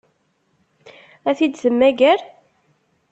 Ad t-id-temmager?